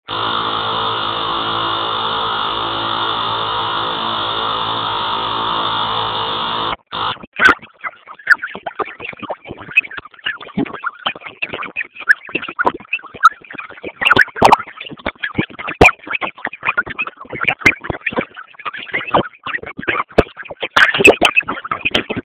علم د پرمختګ لپاره بنسټیز ضرورت دی.